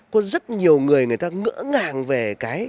có rất nhiều người người ta ngỡ ngàng về cái